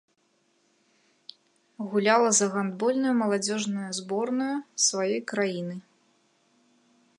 Гуляла за гандбольную маладзёжную зборную сваёй краіны.